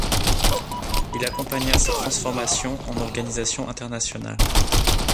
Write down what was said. Il accompagna sa transformation en organisation internationale.